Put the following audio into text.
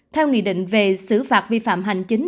theo nghị định về xử phạt vi phạm hành chính